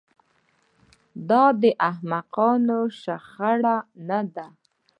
دا احمقانه شخړه نه ده